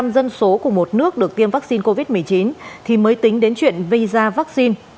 một mươi dân số của một nước được tiêm vaccine covid một mươi chín thì mới tính đến chuyện visa vaccine